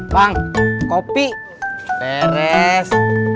bang kopi beres